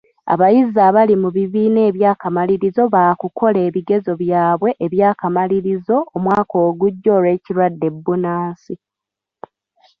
Abayizi ababali mu bibiina eby'akamalirizo baakukola ebigezo byabwe aby'akamalirizo omwaka ogujja olw'ekirwadde bbunansi.